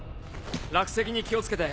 落石に気を付けて。